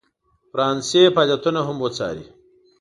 فرانسې فعالیتونه هم وڅاري.